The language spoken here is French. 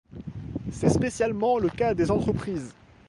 C’est spécialement le cas des entreprises.